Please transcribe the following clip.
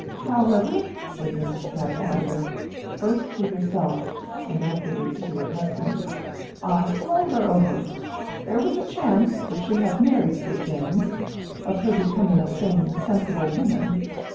"However," said Mrs. Cadwallader, first to herself and afterwards to her husband, "I throw her over: there was a chance, if she had married Sir James, of her becoming a sane, sensible woman.